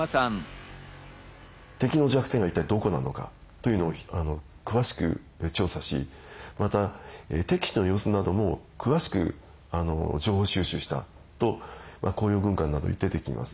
敵の弱点が一体どこなのかというのを詳しく調査しまた敵地の様子なども詳しく情報収集したと「甲陽軍鑑」などに出てきます。